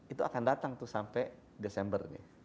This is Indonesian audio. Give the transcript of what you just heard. itu akan datang tuh sampai desember nih